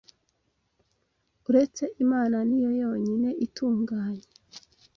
Uretse Imana niyo yonyine itunganye